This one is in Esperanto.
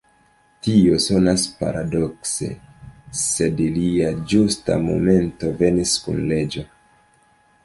Tio sonas paradokse, sed lia ĝusta momento venis kun leĝo.